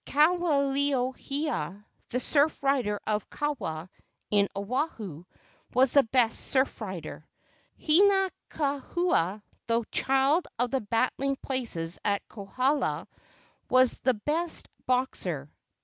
Kawelo hea, the surf rider of Kawa in Oahu, was the best surf rider. Hina kahua, the child of the battling places of Kohala, was the best boxer.